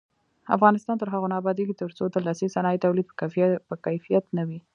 افغانستان تر هغو نه ابادیږي، ترڅو د لاسي صنایعو تولید په کیفیت نه وي.